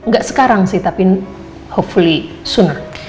gak sekarang sih tapi hopefully sunna